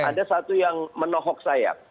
ada satu yang menohok saya